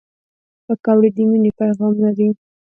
پکورې د مینې پیغام لري